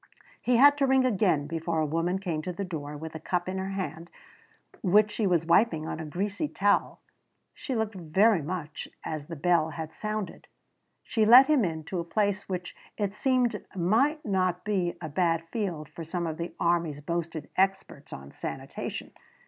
He had to ring again before a woman came to the door with a cup in her hand which she was wiping on a greasy towel. She looked very much as the bell had sounded. She let him in to a place which it seemed might not be a bad field for some of the army's boasted experts on sanitation.